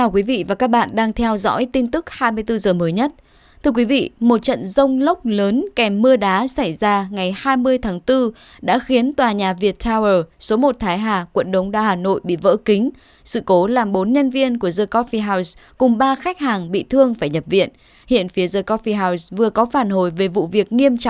các bạn hãy đăng ký kênh để ủng hộ kênh của chúng mình nhé